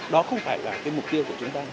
đó không phải là mục tiêu của chúng ta